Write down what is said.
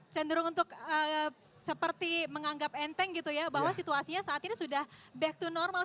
cenderung untuk seperti menganggap enteng gitu ya bahwa situasinya saat ini sudah back to normal